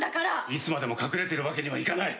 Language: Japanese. いつまでも隠れているわけにはいかない。